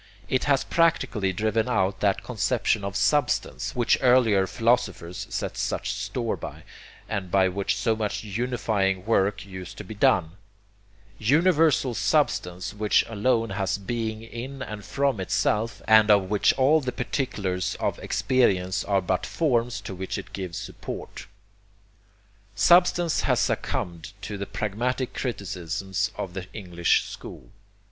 It has practically driven out that conception of 'Substance' which earlier philosophers set such store by, and by which so much unifying work used to be done universal substance which alone has being in and from itself, and of which all the particulars of experience are but forms to which it gives support. Substance has succumbed to the pragmatic criticisms of the English school.